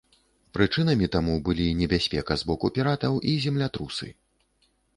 Прычынамі таму былі небяспека з боку піратаў і землятрусы.